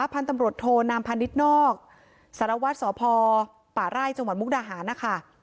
พันธุ์ตำรวจโทนามพาณิชย์นอกสารวัตรสพป่าไร่จังหวัดมุกดาหารนะคะ